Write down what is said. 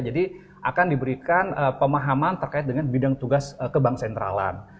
jadi akan diberikan pemahaman terkait dengan bidang tugas ke bank sentralan